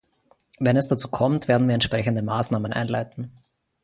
Wenn es dazu kommt, werden wir entsprechende Maßnahmen einleiten.